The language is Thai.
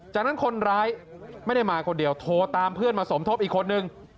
จากนั้นคนร้ายไม่ได้มาคนเดียวโทรตามเพื่อนมาสมทบอีกคนนึง